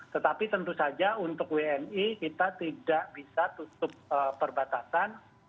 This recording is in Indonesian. tetapi tentu saja untuk wni kita tidak bisa tutup perbatasan